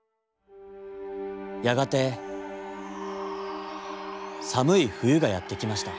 やがてさむいふゆがやってきました。